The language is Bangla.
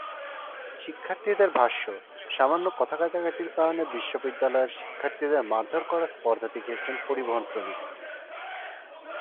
শিক্ষার্থীদের ভাষ্য, সামান্য কথা-কাটাকাটির কারণে বিশ্ববিদ্যালয়ের শিক্ষার্থীদের মারধর করার স্পর্ধা দেখিয়েছেন পরিবহন শ্রমিকেরা।